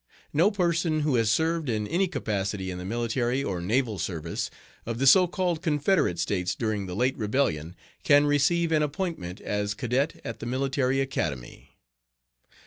No person who has served in any capacity in the military or naval service of the so called Confederate States during the late rebellion can receive an appointment as cadet at the Military Academy.